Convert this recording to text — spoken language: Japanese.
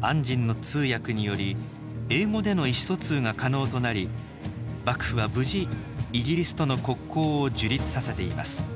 按針の通訳により英語での意思疎通が可能となり幕府は無事イギリスとの国交を樹立させています